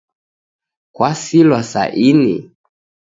Kwasilwa sa ini